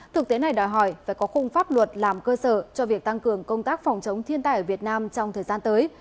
thực tế này đòi hỏi phải có khung pháp luật làm cơ sở cho việc tăng cường công tác phòng chống thiên tai ở việt nam trong thời gian tới